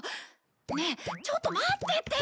ねえちょっと待ってってば！